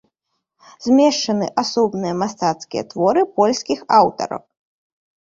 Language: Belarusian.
Змешчаны асобныя мастацкія творы польскіх аўтараў.